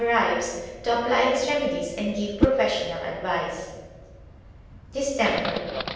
arrives to apply his remedies and give professional advice. DISTEMPER.